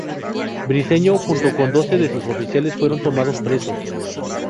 Briceño junto con doce de sus oficiales fueron tomados presos.